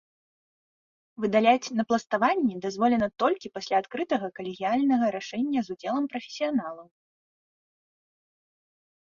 Выдаляць напластаванні дазволена толькі пасля адкрытага калегіяльнага рашэння з удзелам прафесіяналаў.